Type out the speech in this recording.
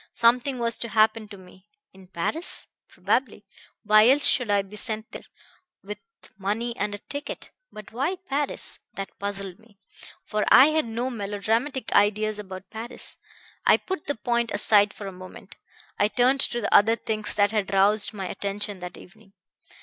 Something was to happen to me. In Paris? Probably why else should I be sent there, with money and a ticket? But why Paris? That puzzled me, for I had no melodramatic ideas about Paris. I put the point aside for a moment. I turned to the other things that had roused my attention that evening.